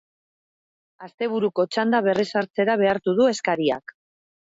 Asteburuko txanda berrezartzera behartu du eskariak.